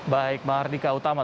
baik mardika utama